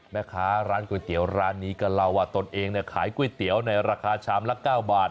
แม่ค้าร้านก๋วยเตี๋ยวร้านนี้ก็เล่าว่าตนเองขายก๋วยเตี๋ยวในราคาชามละ๙บาท